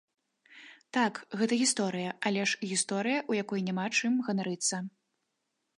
Так, гэта гісторыя, але ж гісторыя, у якой няма чым ганарыцца.